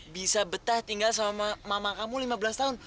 bisa betah tinggal sama mama kamu lima belas tahun